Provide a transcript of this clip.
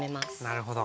なるほど。